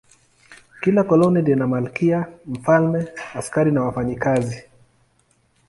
Kila koloni lina malkia, mfalme, askari na wafanyakazi.